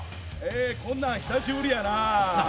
こんなん久しぶりやな。